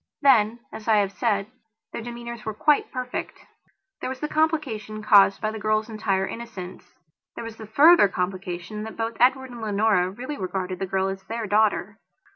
Then, as I have said, their demeanours were quite perfect. There was the complication caused by the girl's entire innocence; there was the further complication that both Edward and Leonora really regarded the girl as their daughter.